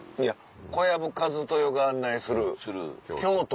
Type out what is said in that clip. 小籔千豊が案内する京都？